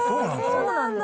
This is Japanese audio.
そうなんだ。